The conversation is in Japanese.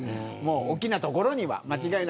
大きなところには、間違いなく。